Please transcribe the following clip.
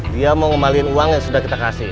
dia mau ngembalin uang yang sudah kita kasih